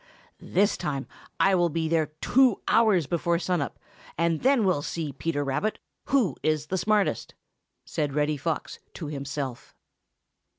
"This time I will be there two hours before sun up, and then we will see, Peter Rabbit, who is the smartest!" said Reddy Fox to himself.